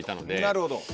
なるほど。